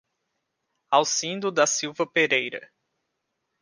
Alcindo da Silva Pereira